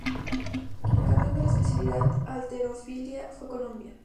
El campeón de la especialidad Halterofilia fue Colombia.